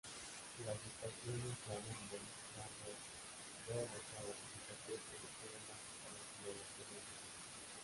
Las estaciones Flamengo, Largo do Machado y Catete llegan hasta las inmediaciones del barrio.